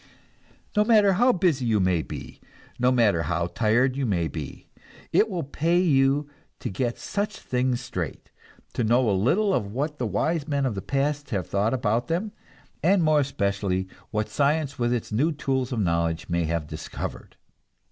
No matter how busy you may be, no matter how tired you may be, it will pay you to get such things straight: to know a little of what the wise men of the past have thought about them, and more especially what science with its new tools of knowledge may have discovered.